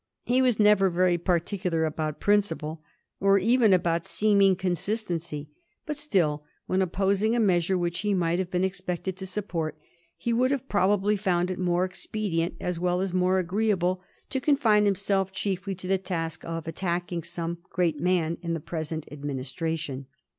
He was never very particular about principle, or even about seeming consistency ; but still, when opposing a measure which he might have been expected to support, he would have probably found it more expedient as well as more agreeable to confine himself chiefly to the task of attacking some * great man in the present administration.'